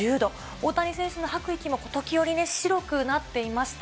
大谷選手の吐く息も時折ね、白くなっていました。